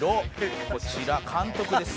こちら監督ですね」